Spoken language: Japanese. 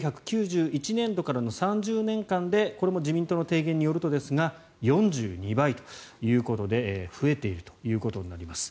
１９９１年度からの３０年間でこれも自民党の提言によるとですが４２倍ということで増えているということになります。